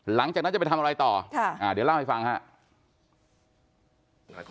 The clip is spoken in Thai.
หลังจากนั้นจะไปทำอะไรต่ออ่าเดี๋ยวเล่าให้ฟังค่ะค่ะค่ะค่ะ